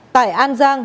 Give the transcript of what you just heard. tại an giang